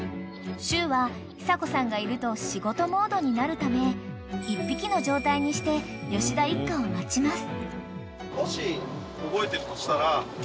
［しゅうは久子さんがいると仕事モードになるため１匹の状態にして吉田一家を待ちます］